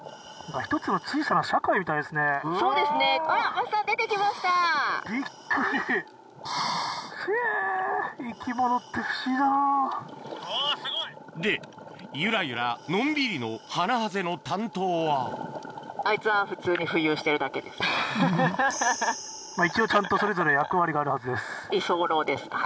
ひえ！でユラユラのんびりのハナハゼの担当は一応ちゃんとそれぞれ役割があるはずです。